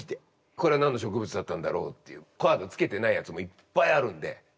これは何の植物だったんだろうっていうカードつけてないやつもいっぱいあるんで。